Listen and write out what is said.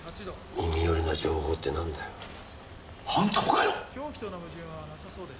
耳寄りな情報ってなんだよ。あんたもかよ！？